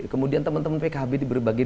kemudian teman teman pkb di berbagai